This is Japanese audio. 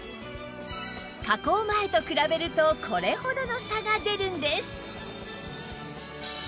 加工前と比べるとこれほどの差が出るんです！